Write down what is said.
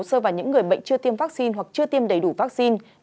xô vào những người bệnh chưa tiêm vaccine hoặc chưa tiêm đầy đủ vaccine